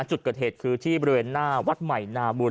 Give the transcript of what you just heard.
จุดเกิดเหตุคือที่บริเวณหน้าวัดใหม่นาบุญ